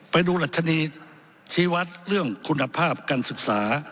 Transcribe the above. ไปดูดัชนีชี้วัดเรื่องคุณภาพการศึกษา